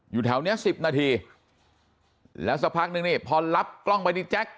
อยู่แถวนี้๑๐นาทีแล้วสักพักนึงนี่พอรับกล้องไปที่แจ๊ค